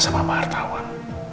sama pak hartawan